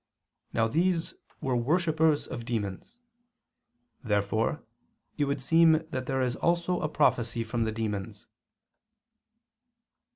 Now these were worshippers of demons. Therefore it would seem that there is also a prophecy from the demons.